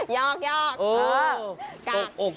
ยอก